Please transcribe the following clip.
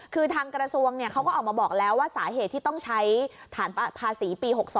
คือทางกระทรวงเขาก็ออกมาบอกแล้วว่าสาเหตุที่ต้องใช้ฐานภาษีปี๖๒